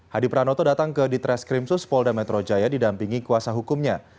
hadi pranoto datang ke ditreskrimsus polda metro jaya didampingi kuasa hukumnya